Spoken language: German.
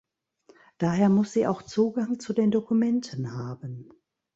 Daher muss sie auch Zugang zu den Dokumenten haben.